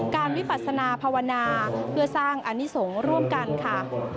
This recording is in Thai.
วิปัสนาภาวนาเพื่อสร้างอนิสงฆ์ร่วมกันค่ะ